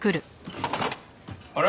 あれ？